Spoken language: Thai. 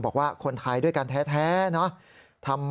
บอกว่าคนไทยด้วยกันแท้เนอะ